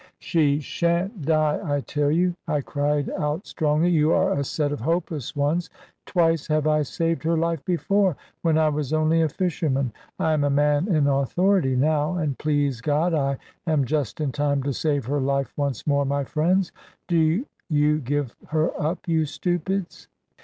"She shan't die, I tell you," I cried out strongly: "you are a set of hopeless ones. Twice have I saved her life before, when I was only a fisherman. I am a man in authority now; and please God, I am just in time to save her life, once more, my friends. Do you give her up, you stupids?"